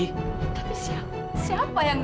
tapi siapa siapa yang